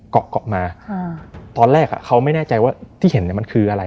เกาะเกาะมาตอนแรกอ่ะเขาไม่แน่ใจว่าที่เห็นเนี่ยมันคืออะไร